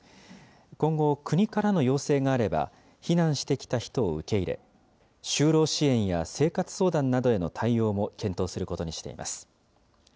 今後、国からの要請があれば、避難してきた人を受け入れ、就労支援や生活相談などへの対応も検討することにしています。